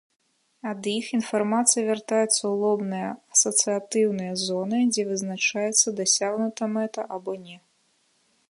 Ад іх інфармацыя вяртаецца ў лобныя асацыятыўныя зоны, дзе вызначаецца, дасягнута мэта або не.